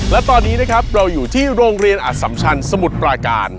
และตอนนี้นะครับเราอยู่ที่โรงเรียนอสัมชันสมุทรปราการ